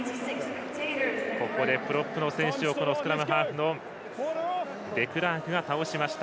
ここでプロップの選手をスクラムハーフのデクラークが倒しました。